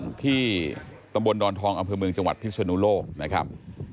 ทักหลังหนึ่งที่ตำบลดอนทองอำเภอเมืองจังหวัดพิษวนุโลกนะครับ